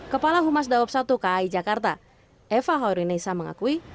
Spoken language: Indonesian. kepala humas dawab satu kai jakarta eva haurinesa mengakui